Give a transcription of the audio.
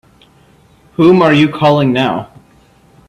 Whom are you calling now?